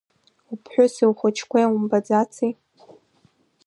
Уԥҳәыси ухәыҷқәеи умбаӡаци?